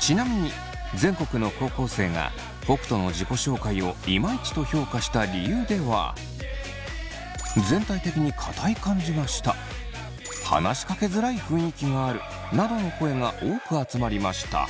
ちなみに全国の高校生が北斗の自己紹介をイマイチと評価した理由ではなどの声が多く集まりました。